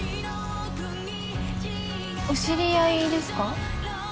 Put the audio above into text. お知り合いですか？